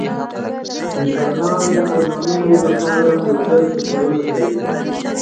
انسانان د ارمانونو لپاره اوږده سفرونه کوي.